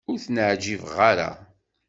Ur ten-ɛjibeɣ ara.